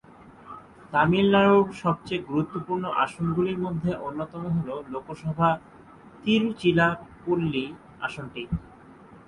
তামিলনাড়ুর সবচেয়ে গুরুত্বপূর্ণ আসনগুলির মধ্যে অন্যতম হল লোকসভা তিরুচিরাপল্লী আসনটি।